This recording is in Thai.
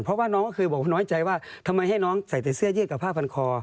เพราะว่าน้องก็คือบอกว่าน้อยใจว่าทำไมให้น้องใส่เทียดสื่อเย็ดกับภาพพันคลอ